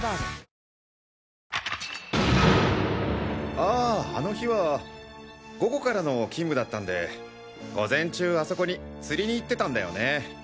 あぁあの日は午後からの勤務だったんで午前中あそこに釣りに行ってたんだよね。